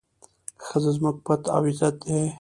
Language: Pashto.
ښځه زموږ پت او عزت دی.